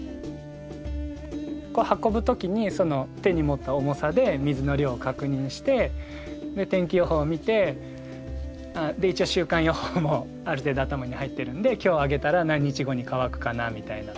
こう運ぶ時にその手に持った重さで水の量を確認してで天気予報を見て一応週間予報もある程度頭に入ってるんで今日あげたら何日後に乾くかなみたいな。